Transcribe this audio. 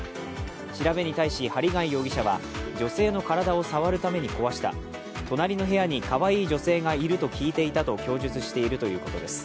調べに対し、針谷容疑者は女性の体を触るために壊した、隣の部屋にかわいい女性がいると聞いていたと供述しているということです。